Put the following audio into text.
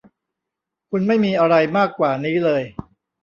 คุณไม่มีอะไรมากกว่านี้เลย